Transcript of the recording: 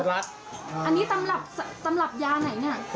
อ๋ออันนี้สำหรับยาไหนเนี่ย